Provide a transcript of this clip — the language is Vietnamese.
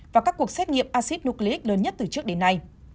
và các cuộc xét nghiệm acid nucleic lớn nhất từ trước đến nay